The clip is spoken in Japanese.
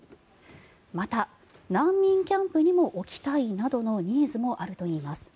また、難民キャンプにも置きたいなどのニーズもあるといいます。